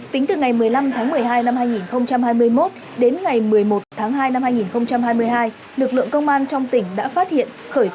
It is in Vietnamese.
tính từ ngày một mươi năm tháng một mươi hai năm hai nghìn hai mươi một đến ngày một mươi một tháng hai năm hai nghìn hai mươi hai lực lượng công an trong tỉnh đã phát hiện khởi tố